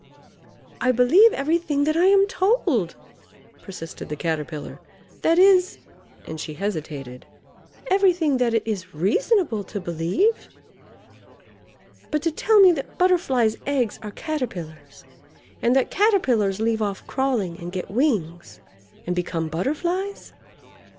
"I believe everything that I am told" persisted the Caterpillar; "that is" and she hesitated "everything that it is reasonable to believe. But to tell me that Butterflies' eggs are Caterpillars, and that Caterpillars leave off crawling and get wings, and become Butterflies!